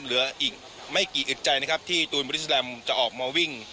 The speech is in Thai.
เหลืออีกไม่กี่อึดใจนะครับที่ตูนบริสแลมจะออกมาวิ่ง